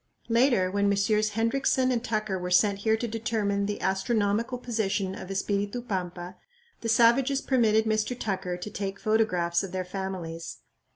Later, when Messrs. Hendriksen and Tucker were sent here to determine the astronomical position of Espiritu Pampa, the savages permitted Mr. Tucker to take photographs of their families.